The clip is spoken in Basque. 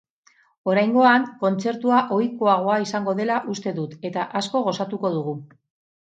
Oraingoan, kontzertua ohikoagoa izango dela uste dut, eta asko gozatuko dugu.